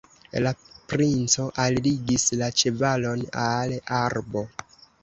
La princo alligis la ĉevalon al arbo.